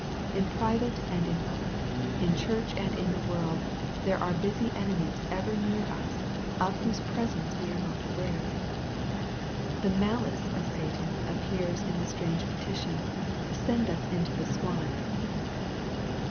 In private and in public, in church and in the world, there are busy enemies ever near us, of whose presence we are not aware. The malice of Satan appears in the strange petition, " send UE into the swine."